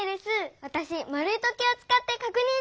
わたしまるい時計をつかってかくにんしてみたい！